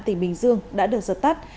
tỉnh bình dương đã được giật tắt